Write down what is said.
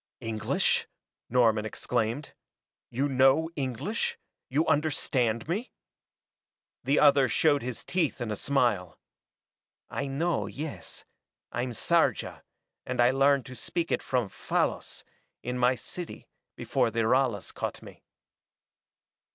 "English?" Norman exclaimed. "You know English you understand me?" The other showed his teeth in a smile. "I know, yes. I'm Sarja, and I learned to speak it from Fallas, in my city, before the Ralas caught me."